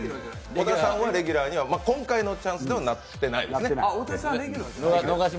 小田さんはレギュラーには今回のチャンスではなってないですね。